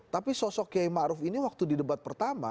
tapi sosok kiai ma'ruf ini waktu di debat pertama